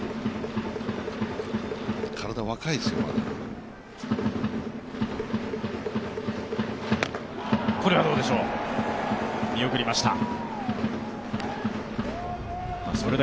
体、若いですよ、まだ。